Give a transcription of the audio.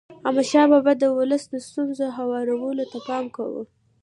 احمدشاه بابا د ولس د ستونزو هوارولو ته پام کاوه.